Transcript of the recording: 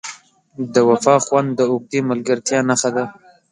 د وفا خوند د اوږدې ملګرتیا نښه ده.